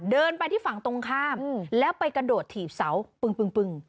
เดินไปที่ฝั่งตรงข้ามแล้วไปกระโดดถีบเสาปึง